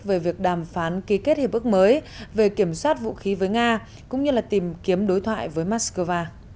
về việc đàm phán ký kết hiệp ước mới về kiểm soát vũ khí với nga cũng như là tìm kiếm đối thoại với moscow